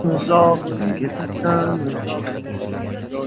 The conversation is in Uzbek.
— U sepkil bosgan lunjini silab qo‘ydi.